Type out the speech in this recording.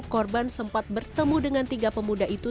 korban sempat bertemu dengan tiga pemuda itu